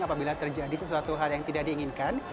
apabila terjadi sesuatu hal yang tidak diinginkan